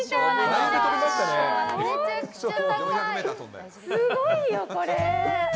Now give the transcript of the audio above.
すごいよ、これ。